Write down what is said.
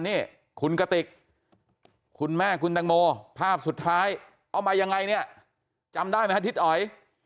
นี่คุณกติกคุณแม่คุณตังโมภาพสุดท้ายเอามายังไงเนี่ยจำได้ไหมฮะทิศอ๋อย